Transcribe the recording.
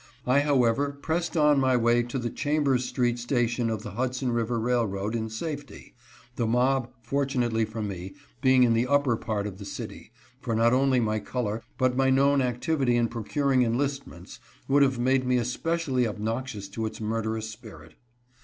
I, however, pressed on my way to the Chambers street station of the Hudson River Railroad in safety, the mob, fortunately for me, being in the upper part of the city, for not only my color, but my known activity in procuring enlistments, would have made me especially obnoxious to its murderous spirit.